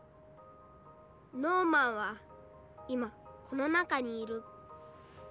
ノーマンは今この中にいる。